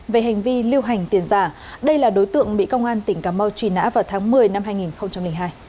về hành vi lưu hành tiền giả đây là đối tượng bị công an tỉnh cà mau truy nã vào tháng một mươi năm hai nghìn hai